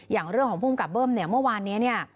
อย่างเรื่องของภูมิกับเบิ้มเนี่ยเมื่อวานนี้เนี่ย